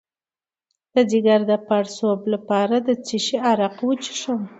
د ځیګر د پړسوب لپاره د څه شي عرق وڅښم؟